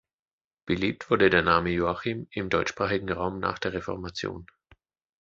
Beliebt wurde der Name Joachim im deutschsprachigen Raum nach der Reformation.